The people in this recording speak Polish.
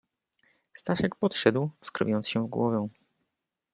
"Staszek podszedł, skrobiąc się w głowę."